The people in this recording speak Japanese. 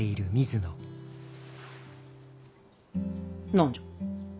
何じゃ。